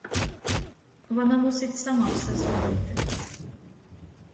Вона мусить сама все зробити.